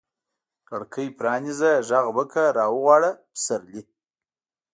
کړکۍ پرانیزه، ږغ وکړه را وغواړه سپرلي